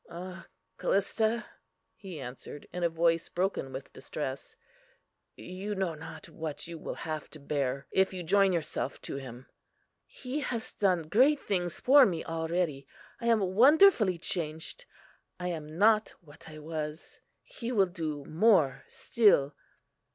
"Ah, Callista!" he answered, in a voice broken with distress, "you know not what you will have to bear, if you join yourself to Him." "He has done great things for me already; I am wonderfully changed; I am not what I was. He will do more still."